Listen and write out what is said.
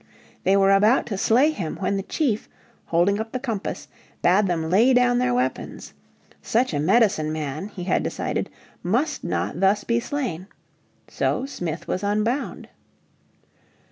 They were about to slay him when the chief, holding up the compass, bade them lay down their weapons. Such a medicine man, he had decided, must not thus be slain. So Smith was unbound.